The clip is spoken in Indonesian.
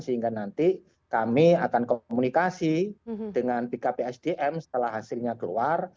sehingga nanti kami akan komunikasi dengan bkp sdm setelah hasilnya keluar